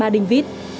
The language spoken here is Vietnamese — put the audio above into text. ba đinh vít